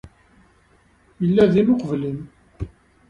Yella din uqbel-im.